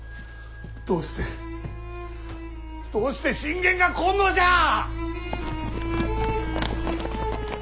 どうしてどうして信玄が来んのじゃあ！